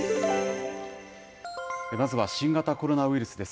まずは新型コロナウイルスです。